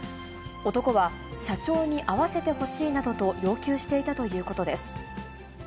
男は社長に会わせてほしいなどと要求していたということです。